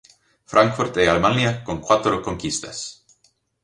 Frankfurt de Alemania con cuatro conquistas.